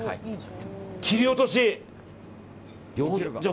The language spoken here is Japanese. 切り落とし。